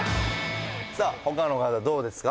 さあほかの方どうですか？